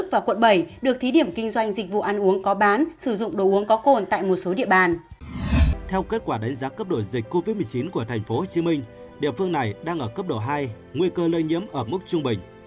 cấp độ dịch covid một mươi chín của tp hcm địa phương này đang ở cấp độ hai nguy cơ lây nhiễm ở mức trung bình